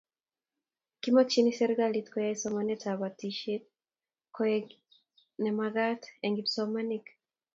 Kimakchini serikalit koyai somanet ab batishet koek ne magat eng' kipsomanik